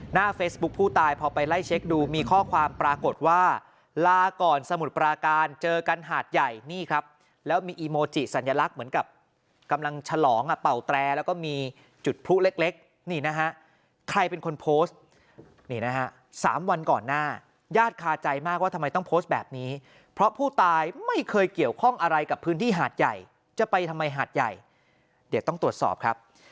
เฟซบุ๊คผู้ตายพอไปไล่เช็คดูมีข้อความปรากฏว่าลาก่อนสมุทรปราการเจอกันหาดใหญ่นี่ครับแล้วมีอีโมจิสัญลักษณ์เหมือนกับกำลังฉลองอ่ะเป่าแตรแล้วก็มีจุดพลุเล็กนี่นะฮะใครเป็นคนโพสต์นี่นะฮะ๓วันก่อนหน้าญาติคาใจมากว่าทำไมต้องโพสต์แบบนี้เพราะผู้ตายไม่เคยเกี่ยวข้องอะไรกับพื้นที่หาดใหญ่จะไปทำไมหาดใหญ่เดี๋ยวต้องตรวจสอบครับ